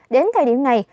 đến thời điểm này